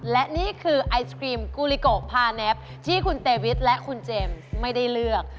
และนี่คือไอศครีมกูลิโกพาเนฟที่คุณเตวิทและคุณเจมส์ไม่ได้เลือก